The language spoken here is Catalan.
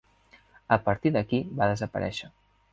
A partir d'aquí va desaparèixer.